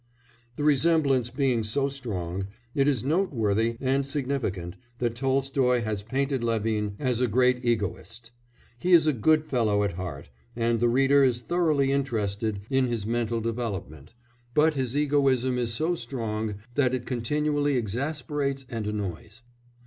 The resemblance being so strong, it is noteworthy and significant that Tolstoy has painted Levin as a great egoist. He is a good fellow at heart, and the reader is thoroughly interested in his mental development, but his egoism is so strong that it continually exasperates and annoys.